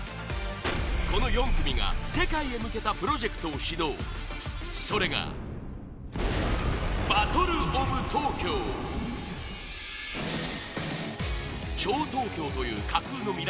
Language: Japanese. この４組が、世界へ向けたプロジェクトを始動それが超東京という架空の未来